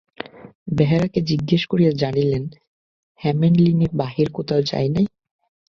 বেহারাকে জিজ্ঞাসা করিয়া জানিলেন, হেমনলিনী বাহিরে কোথাও যায় নাই।